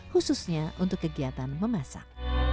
khususnya untuk kegiatan memasak